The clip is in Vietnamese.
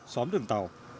xóm đường tàu